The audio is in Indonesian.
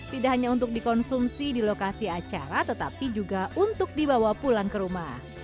tidak hanya untuk dikonsumsi di lokasi acara tetapi juga untuk dibawa pulang ke rumah